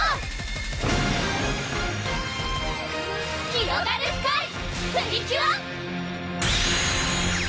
ひろがるスカイ！プリキュア！